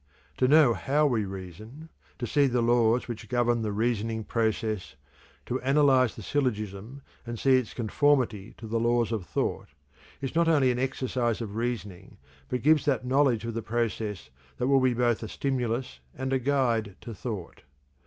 To know how we reason, to see the laws which govern the reasoning process, to analyze the syllogism and see its conformity to the laws of thought, is not only an exercise of reasoning but gives that knowledge of the process that will be both a stimulus and a guide to thought.